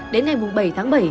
đến ngày mùng bảy tháng bảy